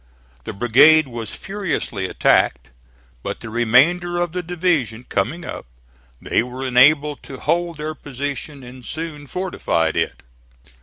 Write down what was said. This brigade was furiously attacked; but the remainder of the division coming up, they were enabled to hold their position, and soon fortified it.